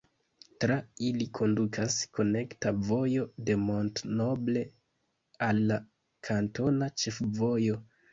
Tra ili kondukas konekta vojo de Mont-Noble al la kantona ĉefvojo.